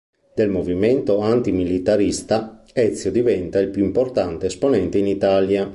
Del movimento antimilitarista Ezio diventa il più importante esponente in Italia.